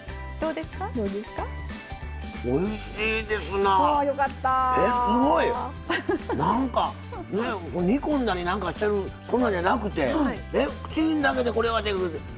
なんか煮込んだりなんかしてるそんなんじゃなくてレンチンだけでこれができるて。